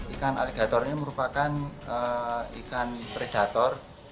ikan aligator ini merupakan ikan predator